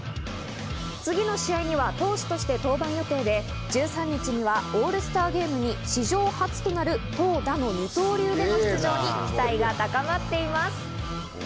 次の試合には投手として登板予定で、１３日にはオールスターゲームに史上初となる投打の二刀流での出場に期待が高まっています。